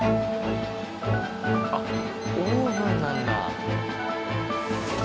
あっオーブンなんだ。